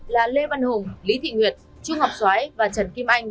là lê văn hùng lý thị nguyệt chu ngọc xoái và trần kim anh